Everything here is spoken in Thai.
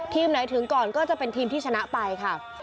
ไหนถึงก่อนก็จะเป็นทีมที่ชนะไปค่ะ